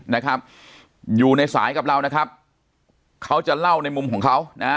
นะครับอยู่ในสายกับเรานะครับเขาจะเล่าในมุมของเขานะฮะ